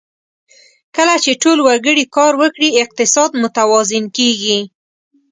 کله چې ټول وګړي کار وکړي، اقتصاد متوازن کېږي.